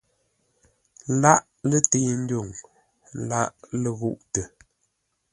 Lâʼ lətəi-ndwuŋ, lâʼ ləghûʼtə.